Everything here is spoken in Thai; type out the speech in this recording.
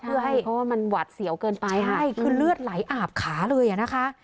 เพราะว่ามันหวัดเสี่ยวเกินไปค่ะใช่คือเลือดไหลอาบขาเลยอ่ะนะคะ